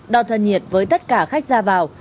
đo thân nhiệt với tất cả khách ra vào